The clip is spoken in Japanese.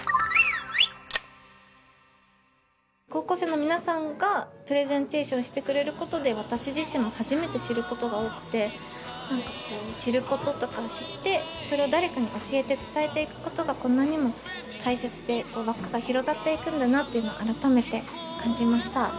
高校生の皆さんがプレゼンテーションしてくれることで私自身も初めて知ることが多くて知ることとか知ってそれを誰かに教えて伝えていくことがこんなにも大切で輪っかが広がっていくんだなっていうのを改めて感じました。